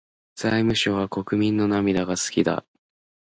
財務省は国民の涙が好きだ。